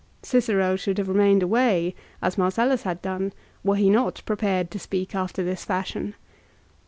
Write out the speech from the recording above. Cicero should have remained away, as Mar cellus had done, were he not prepared to speak after this fashion.